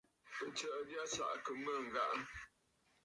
Àtsə̀ʼə̀ já á sáʼánə́mə́ ghàrə̀.